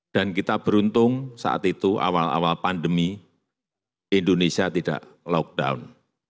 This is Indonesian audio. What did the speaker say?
dan kita beruntung saat itu awal awal pandemi indonesia tidak lockdown